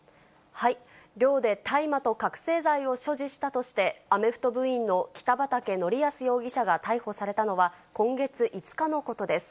寮で大麻と覚醒剤を所持したとして、アメフト部員の北畠成文容疑者が逮捕されたのは、今月５日のことです。